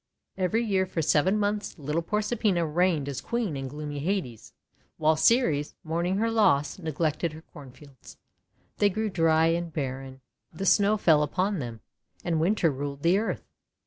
Every year for seven months little Proserpina reigned as Queen in gloomy Hades, while Ceres, mourning her loss, neglected her cornfields. They grew dry and barren, the Snow fell upon them, and Winter ruled the earth.